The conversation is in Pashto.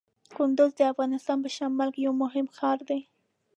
کندز د افغانستان په شمال کې یو مهم ښار دی.